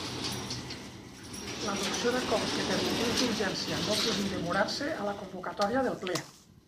L'adopció d'acords que per motius d'urgència no puguin demorar-se a la convocatòria del Ple.